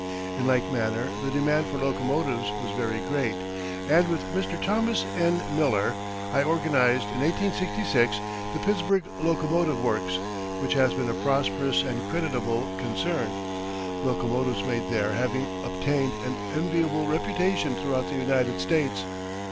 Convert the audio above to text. In like manner the demand for locomotives was very great, and with Mr. Thomas N. Miller I organized in 1866 the Pittsburgh Locomotive Works, which has been a prosperous and creditable concern locomotives made there having obtained an enviable reputation throughout the United States.